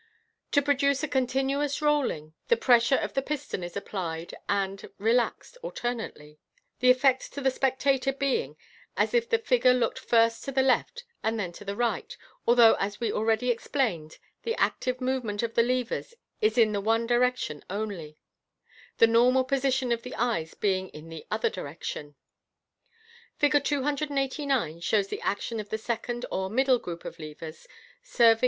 To produce a continuous roll ing, the pressure of the piston is applied and re laxed alternately, the effect to the spectator being as if the figure looked first to the left and then to the right, although as already ex plained, the active move ment of the levers is in the one direction only, the normal position of the eyes being in the other direction. Fig. 289 shows the action of the second or middle group of levers, serving